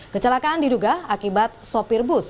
kecelakaan diduga akibat sopir bus